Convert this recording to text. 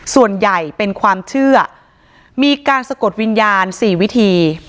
ส่วนใหญ่เป็นความเชื่อมีการสะกดวิญญาณสี่วิธี